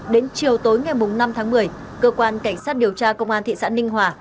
đến chiều tối ngày năm tháng một mươi cơ quan cảnh sát điều tra công an thị xã ninh hòa